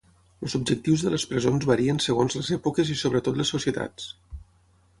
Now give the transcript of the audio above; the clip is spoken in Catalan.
Els objectius de les presons varien segons les èpoques i sobretot les societats.